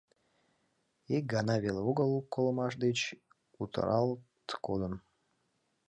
Ик гана веле огыл колымаш деч утаралт кодын.